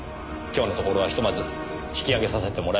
今日のところはひとまず引き上げさせてもらえませんか。